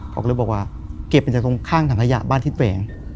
เขาก็เลยบอกว่าเก็บมาจากตรงข้างถังขยะบ้านที่แฝง